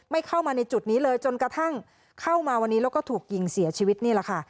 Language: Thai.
เข้ามาในจุดนี้เลยจนกระทั่งเข้ามาวันนี้แล้วก็ถูกยิงเสียชีวิตนี่แหละค่ะ